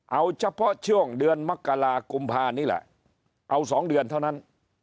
เอาเฉพาะช่วงเดือนมกรากุมภานี่แหละเอา๒เดือนเท่านั้น